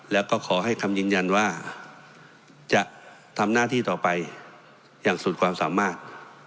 แล้วก็ขอให้คำยืนยันว่าจะทำหน้าที่ต่อไปอย่างสุดความสามารถ